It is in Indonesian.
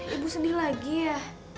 ibu sedih lagi ya